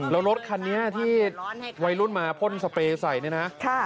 แล้วรถคันนี้ที่วัยรุ่นมาพ่นสเปรย์ใส่เนี่ยนะ